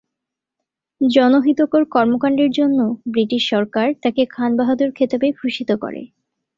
জনহিতকর কর্মকাণ্ডের জন্য ব্রিটিশ সরকার তাকে খান বাহাদুর খেতাবে ভূষিত করে।